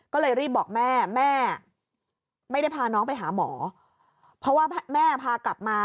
ก็เลยรีบบอกแม่แม่ไม่ได้พาน้องไปหาหมอเพราะว่าแม่พากลับมา